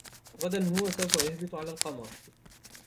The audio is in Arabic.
غداً هو سوف يهبط على القمر.